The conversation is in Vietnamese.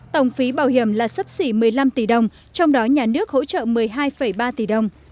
tổng phí bảo hiểm là sấp xỉ một mươi năm tỷ đồng trong đó nhà nước hỗ trợ một mươi hai ba tỷ đồng